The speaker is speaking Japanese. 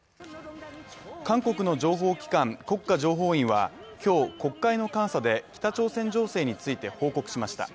韓国の情報機関、国家情報院は今日、国会の監査で北朝鮮情勢について報告しました。